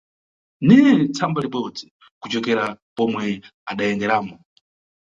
Neye tsamba libodzi kucokera pomwe adayenderamo.